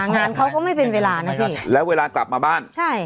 งานเขาก็ไม่เป็นเวลานะพี่แล้วเวลากลับมาบ้านใช่